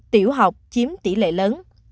tiểu học chiếm tỷ lệ lớn